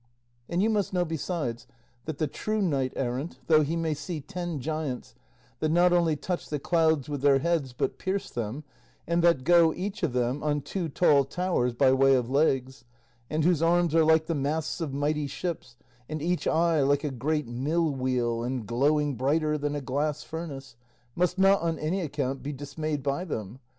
And you must know besides, that the true knight errant, though he may see ten giants, that not only touch the clouds with their heads but pierce them, and that go, each of them, on two tall towers by way of legs, and whose arms are like the masts of mighty ships, and each eye like a great mill wheel, and glowing brighter than a glass furnace, must not on any account be dismayed by them.